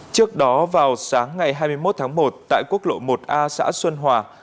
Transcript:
trước đó vào sáng ngày hai mươi một tháng một tại quốc lộ một a xã xuân hòa